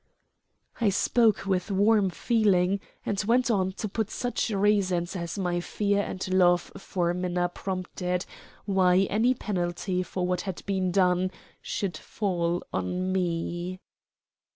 I spoke with warm feeling, and went on to put such reasons as my fear and love for Minna prompted why any penalty for what had been done should fall on me.